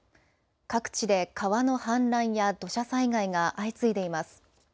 各地で川の氾濫や土砂災害が相次いでいます。